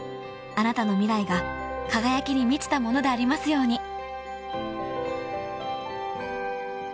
［あなたの未来が輝きに満ちたものでありますように］